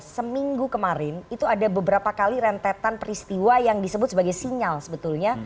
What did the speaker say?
seminggu kemarin itu ada beberapa kali rentetan peristiwa yang disebut sebagai sinyal sebetulnya